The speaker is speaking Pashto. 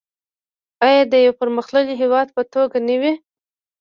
آیا د یو پرمختللي هیواد په توګه نه دی؟